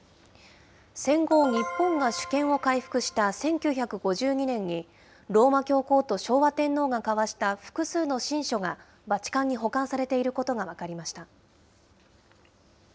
戦後、日本が主権を回復した１９５２年に、ローマ教皇と昭和天皇が交わした複数の親書が、バチカンに保管されていることが分かりました。